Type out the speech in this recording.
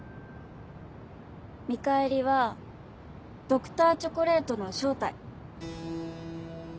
見返りはＤｒ．チョコレートの正体。